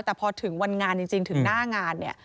แต่พอถึงวันงานจริงถึงหน้างานเนี่ย